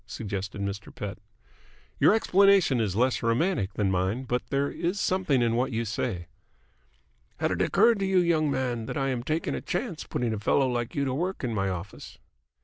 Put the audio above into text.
suggested Mr. Pett. "Your explanation is less romantic than mine, but there is something in what you say." "Had it occurred to you, young man, that I am taking a chance putting a fellow like you to work in my office?"